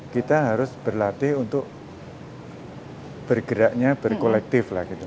kita harus berlatih untuk bergeraknya berkolektif lah gitu